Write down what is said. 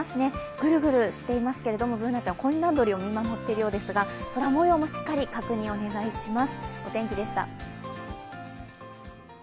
ぐるぐるしていますけれども、Ｂｏｏｎａちゃん、コインランドリーを見守っているようですが、空もようもしっかり確認お願いします。